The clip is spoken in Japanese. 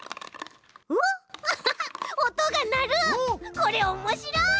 これおもしろい！